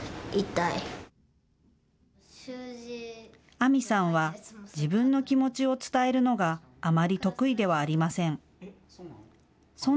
杏美さんは自分の気持ちを伝えるのがあまり得意ではありません。